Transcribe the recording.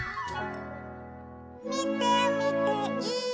「みてみてい！」